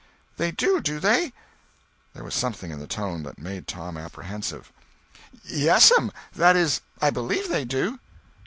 "They do, do they?" There was something in the tone that made Tom apprehensive. "Yes'm. That is, I believe they do."